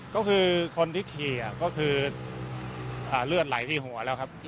ก็คือคนที่ขี่ก็คือเลือดไหลที่หัวแล้วครับ